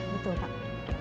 ya betul pak